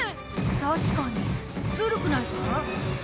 確かにずるくないか？